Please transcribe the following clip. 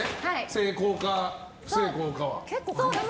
成功か不成功かは。